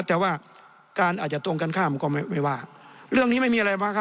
แต่ว่าการอาจจะตรงกันข้ามก็ไม่ไม่ว่าเรื่องนี้ไม่มีอะไรมากครับ